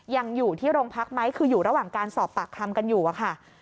ยังอยู่ที่โรงพักไหมคืออยู่ระหว่างการสอบปากคำกันอยู่อะค่ะ